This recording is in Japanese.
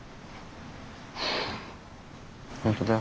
本当だよ。